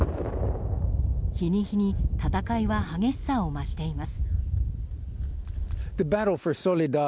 日に日に戦いは激しさを増しています。